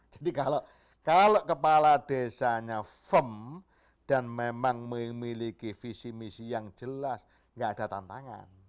jadi kalau kepala desanya firm dan memang memiliki visi misi yang jelas enggak ada tantangan